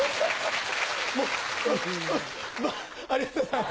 もうありがとうございます。